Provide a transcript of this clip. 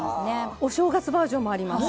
お正月バージョンもあります。